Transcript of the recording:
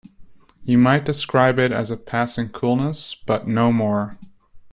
You might describe it as a passing coolness, but no more.